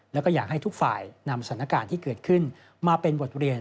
แล้วก็อยากให้ทุกฝ่ายนำสถานการณ์ที่เกิดขึ้นมาเป็นบทเรียน